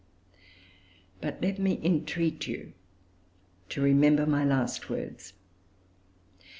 But let me entreat you to remember my last words.